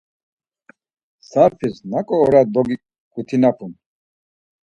Sarpis naǩo ora dogigutinapun?